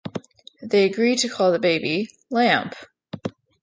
They agree to call the baby "Lamp".